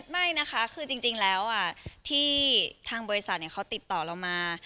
ไม่นะคะคือจริงแล้วที่ทางบริษัทเขาติดต่อเรามา